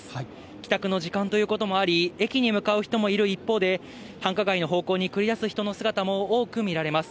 帰宅の時間ということもあり、駅に向かう人もいる一方で、繁華街の方向に繰り出す人の姿も多く見られます。